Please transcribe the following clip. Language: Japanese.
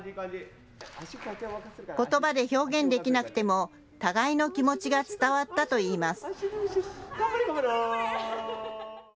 ことばで表現できなくても互いの気持ちが伝わったといいます。